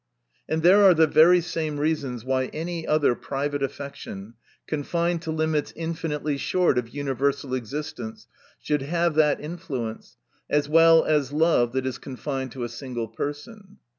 And there are the very same rea sons why any other private affection, confined to limits infinitely short of univer sal existence, should have that influence, as well as love that is confined to a single person.